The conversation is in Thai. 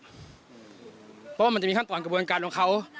เพราะว่ามันจะมีขั้นตอนกระบวนการของเขา